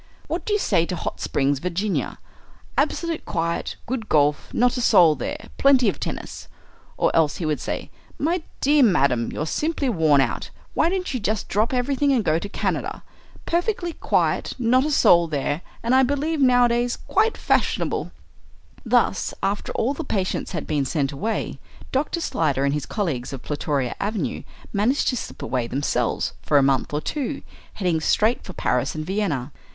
"What do you say to Hot Springs, Virginia? absolute quiet, good golf, not a soul there, plenty of tennis." Or else he would say, "My dear madam, you're simply worn out. Why don't you just drop everything and go to Canada? perfectly quiet, not a soul there, and, I believe, nowadays quite fashionable." Thus, after all the patients had been sent away, Dr. Slyder and his colleagues of Plutoria Avenue managed to slip away themselves for a month or two, heading straight for Paris and Vienna.